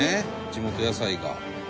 地元野菜が。